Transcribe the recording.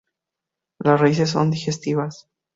Las raíces son digestivas.